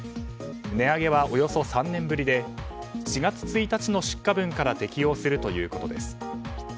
値上げは、およそ３年ぶりで４月１日の出荷分から適用するということです。